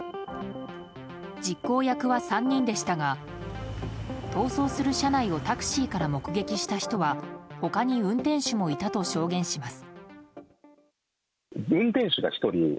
実行役は３人でしたが逃走する車内をタクシーから目撃した人は他に運転手もいたと証言します。